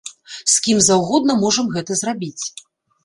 З кім заўгодна можам гэта зрабіць.